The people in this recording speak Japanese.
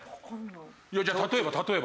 じゃあ例えば例えば。